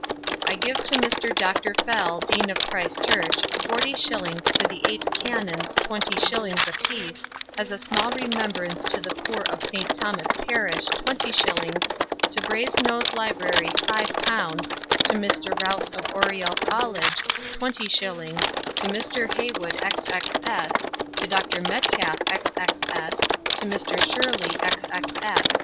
I give to Mr. Doctor Fell Dean of Christ Church Forty Shillings to the Eight Canons twenty Shillings a piece as a small remembrance to the poor of St. Thomas Parish Twenty Shillings to Brasenose Library five pounds to Mr. Rowse of Oriell Colledge twenty Shillings to Mr. Heywood _xx_s. to Dr. Metcalfe _xx_s. to Mr. Sherley _xx_s.